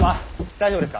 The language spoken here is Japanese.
大丈夫ですか。